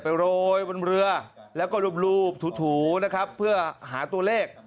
โรยบนเรือแล้วก็รูปถูนะครับเพื่อหาตัวเลข